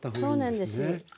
そうなんです。